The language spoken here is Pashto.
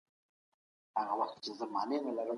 ټولنيزې پېښې د انسانانو لخوا رامنځته کيږي.